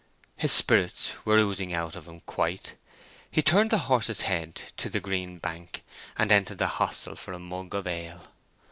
His spirits were oozing out of him quite. He turned the horse's head to the green bank, and entered the hostel for a mug of ale.